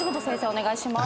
お願いします。